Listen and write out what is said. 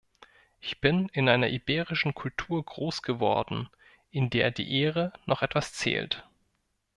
Ich bin in einer iberischen Kultur großgeworden, in der die Ehre noch etwas zählt.